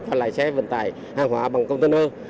và lái xe vận tải hàng hóa bằng container